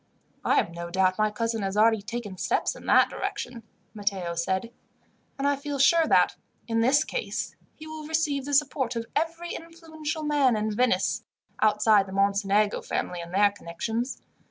"I have no doubt my cousin has already taken steps in that direction," Matteo said, "and I feel sure that, in this case, he will receive the support of every influential man in Venice, outside the Mocenigo family and their connections.